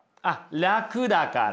楽だから。